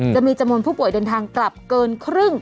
จะมีจำนวนผู้ป่วยเดินทางกลับเกินครึ่ง